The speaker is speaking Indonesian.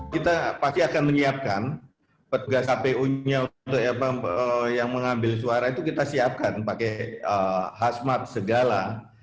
kita pasti akan menyiapkan petugas kpu nya untuk yang mengambil suara itu kita siapkan pakai hasmat segala